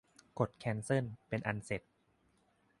กดแคนเซิลเป็นอันเสร็จ